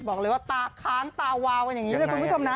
บอกเลยว่าตาค้างตาวาวกันอย่างนี้เลยคุณผู้ชมนะ